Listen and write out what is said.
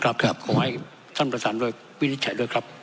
ครับครับขอให้ท่านประศรรย์โดยวินิจฉัยด้วยครับ